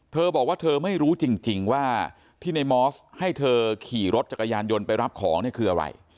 เธอบอกว่าเธอไม่รู้จริงว่าที่ในมอสให้เธอขี่รถจักรยานยนต์ไปรับของเนี่ยคืออะไร